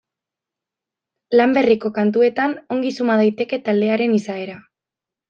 Lan berriko kantuetan ongi suma daiteke taldearen izaera.